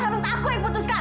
harus aku yang putuskan